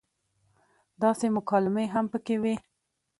داسې مکالمې هم پکې وې